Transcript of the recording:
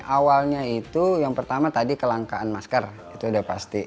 awalnya itu yang pertama tadi kelangkaan masker itu udah pasti